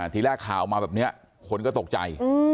ทีแรกข่าวออกมาแบบนี้คนก็ตกใจ